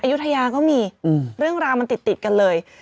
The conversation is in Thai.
อายุทยาก็มีเรื่องราวมันติดกันเลย